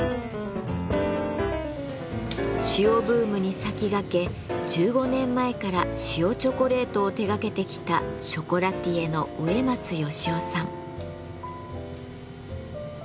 塩ブームに先駆け１５年前から塩チョコレートを手がけてきたショコラティエの植松秀王さん。